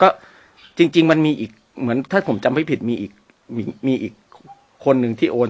ก็จริงมันมีอีกเหมือนถ้าผมจำไม่ผิดมีอีกมีอีกคนนึงที่โอน